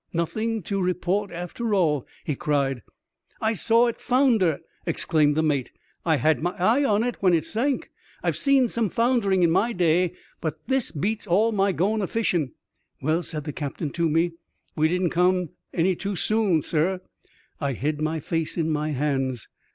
" Nothing to report after all !" he cried. " I saw it founder !" exclaimed the mate. " I had my eye on it when it sank. I've seen some foundering in my day ; but this beats all my going a fishing !"Well," said the captain to me, " we didn't come too soon, sir." I hid my face in my hands.